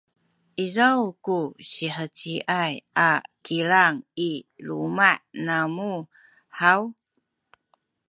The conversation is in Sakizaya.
izaw ku siheciay a kilang i luma’ namu haw?